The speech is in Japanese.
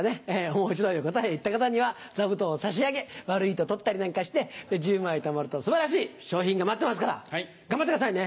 面白い答えを言った方には座布団を差し上げ悪いと取ったりなんかして１０枚たまると素晴らしい賞品が待ってますから頑張ってくださいね。